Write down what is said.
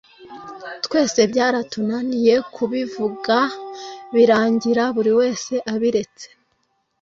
Twese byaratunaniye kubivuga birangira buri wese abiretse